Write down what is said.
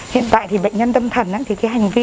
hiện tại thì bệnh nhân tâm thần thì cái hành vi